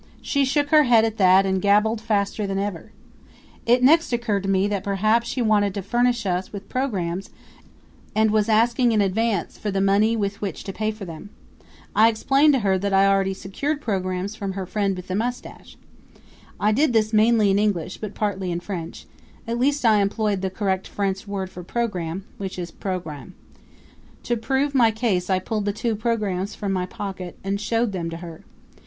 She shook her head at that and gabbled faster than ever. It next occurred to me that perhaps she wanted to furnish us with programs and was asking in advance for the money with which to pay for them. I explained to her that I already secured programs from her friend with the mustache. I did this mainly in English, but partly in French at least I employed the correct French word for program, which is programme. To prove my case I pulled the two programs from my pocket and showed them to her.